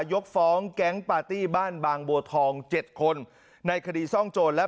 ยกฟ้องแก๊งปาร์ตี้บ้านบางบัวทองเจ็ดคนในคดีซ่องโจรและ